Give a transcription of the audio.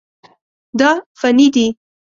دا فني دي.